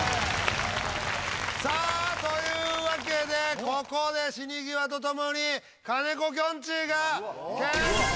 さあというわけでここで「死に際」と共に金子きょんちぃが決勝進出！